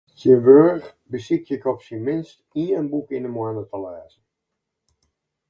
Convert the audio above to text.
Tsjintwurdich besykje ik op syn minst ien boek yn ’e moanne te lêzen.